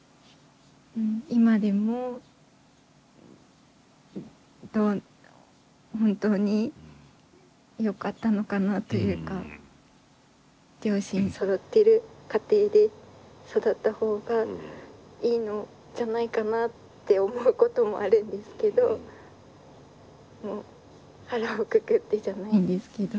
今でも本当によかったのかなというか両親そろってる家庭で育った方がいいんじゃないかなって思うこともあるんですけど腹をくくってじゃないんですけど。